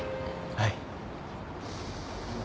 はい。